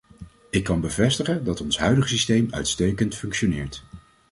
Ik kan bevestigen dat ons huidige systeem uitstekend functioneert.